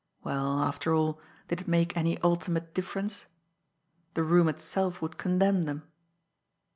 Well, after all, did it make any ultimate difference? The room itself would condemn them!